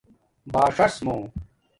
باݽس مُو